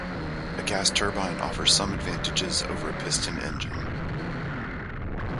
A gas turbine offers some advantages over a piston engine.